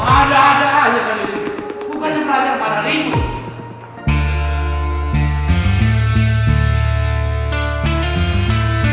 ada ada aja pak bukannya belajar pada rimpu